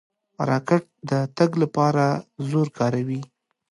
راکټ د تګ لپاره زور کاروي.